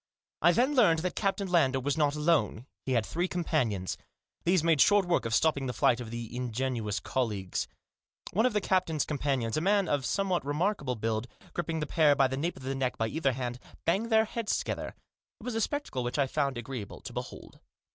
I then learned that Captain Lander was not alone. He had three companions. These made short work of stopping the flight of the ingenuous colleagues. One of the captain's companions, a man of somewhat remarkable build, gripping the pair by the nape of the neck by either hand, banged their heads together. It was a spectacle which I found agreeable to behold.